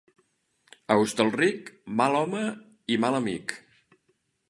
A Hostalric, mal home i mal amic.